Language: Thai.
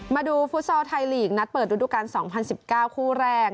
มาดูฟ็ลต์ซอสไทยหลีกนัดเปิดดูดูกรรมสองพันสิบเก้าคู่แรก